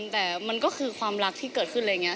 แต่มันก็คือความรักที่เกิดขึ้นอะไรอย่างนี้